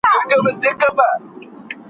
ځینې خلک ژر خپه کېږي.